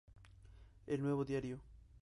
El Nuevo diario.